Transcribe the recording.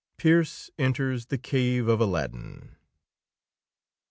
PEARSE ENTERS THE CAVE OF ALADDIN.